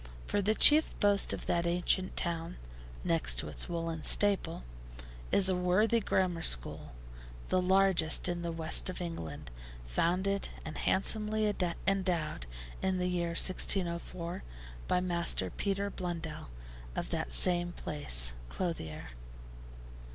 For the chief boast of that ancient town (next to its woollen staple) is a worthy grammar school, the largest in the west of England, founded and handsomely endowed in the year 1604 by Master Peter Blundell, of that same place, clothier.